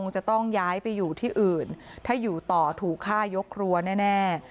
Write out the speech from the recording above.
จะต้องย้ายไปอยู่ที่อื่นถ้าอยู่ต่อถูกฆ่ายกครัวแน่